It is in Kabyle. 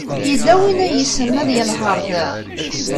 Yella win ay yessnen ad yenheṛ da?